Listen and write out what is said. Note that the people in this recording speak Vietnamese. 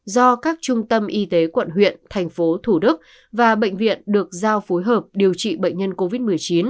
do các trung tâm y tế quận huyện thành phố thủ đức và bệnh viện được giao phối hợp điều trị bệnh nhân covid một mươi chín